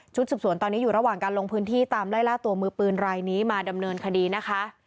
สืบสวนตอนนี้อยู่ระหว่างการลงพื้นที่ตามไล่ล่าตัวมือปืนรายนี้มาดำเนินคดีนะคะ